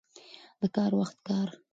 د کار وخت کار.